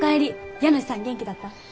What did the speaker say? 家主さん元気だった？